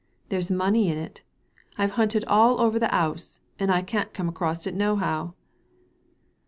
There's money in it I've hunted all over the 'ous^ and I can't come across it nohow."